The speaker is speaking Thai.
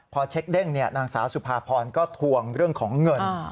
พอเช็คเด้งนางสาวสุภาพรก็ทวงเรื่องของเงิน